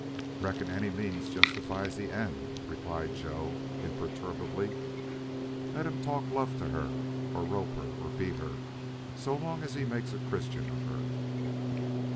"Reckon any means justifies the end," replied Joe, imperturbably. "Let him talk love to her or rope her or beat her, so long as he makes a Christian of her."